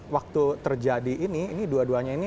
waktu terjadi ini ini dua duanya ini